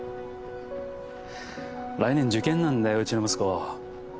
来年受験なんだようちの息子。